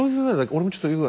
俺もちょっとよく。